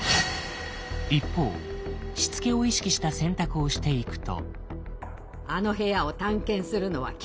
一方しつけを意識した選択をしていくと。